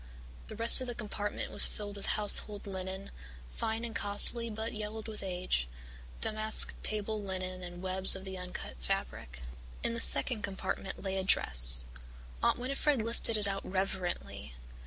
The rest of the compartment was filled with household linen, fine and costly but yellowed with age damask table linen and webs of the uncut fabric. In the second compartment lay a dress. Aunt Winnifred lifted it out reverently.